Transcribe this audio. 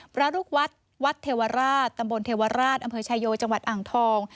พระลูกวัดวัดเทวราชตำบลเทวราชอำเภอชายโยจังหวัดอ่างทอง